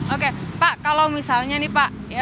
oke pak kalau misalnya nih pak